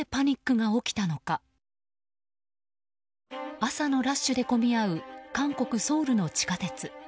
朝のラッシュで混み合う韓国ソウルの地下鉄。